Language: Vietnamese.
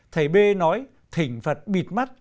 thầy b nói thỉnh phật bịt mắt